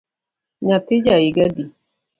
Nyathi ja higa adi?